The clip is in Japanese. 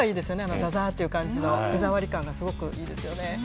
ざざーっていう感じの手触り感がすごくいいですよね。